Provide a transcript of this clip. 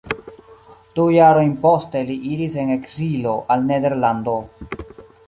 Du jarojn poste li iris en ekzilo al Nederlando.